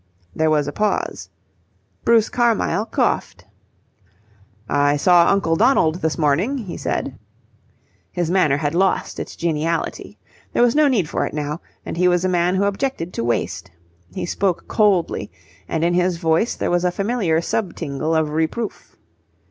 There was a pause. Bruce Carmyle coughed. "I saw Uncle Donald this morning," he said. His manner had lost its geniality. There was no need for it now, and he was a man who objected to waste. He spoke coldly, and in his voice there was a familiar sub tingle of reproof.